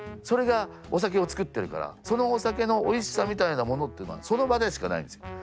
それがお酒を造ってるからそのお酒のおいしさみたいなものっていうのはその場でしかないんですよ。